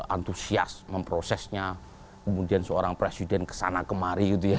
antusias memprosesnya kemudian seorang presiden kesana kemari gitu ya